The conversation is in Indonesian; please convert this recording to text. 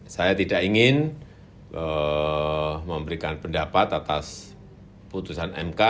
saya tidak ingin memberikan pendapat atas putusan mk